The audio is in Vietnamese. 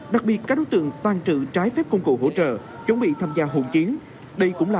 đặc biệt các đối tượng tàn trữ trái phép công cụ hỗ trợ chuẩn bị tham gia hộ chiến